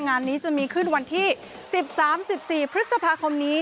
งานนี้จะมีขึ้นวันที่๑๓๑๔พฤษภาคมนี้